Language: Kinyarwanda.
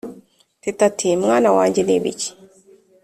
tate ati mwana wanjye nibiki?: